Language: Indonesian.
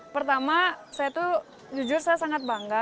pertama saya tuh jujur saya sangat bangga